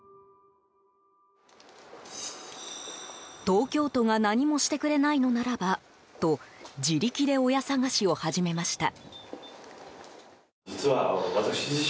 東京都が何もしてくれないのならばと自力で親捜しを始めました。